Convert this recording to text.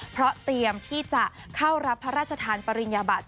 เพราะเตรียมที่จะเข้ารับพระราชทานปริญญาบัติ